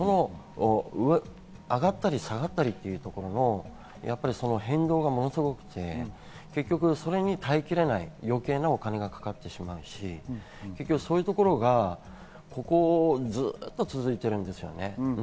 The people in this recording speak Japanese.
上がったり下がったりというのも変動がものすごくて、それに耐えきれない余計なお金がかかってしまうし、そういうところがここずっと続いているんですよね。